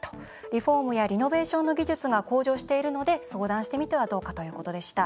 リフォームやリノベーションの技術が向上しているので相談してみるといいですよということでした。